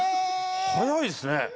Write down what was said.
早いですね。